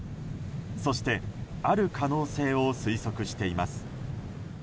そして、ある可能性を推測しています。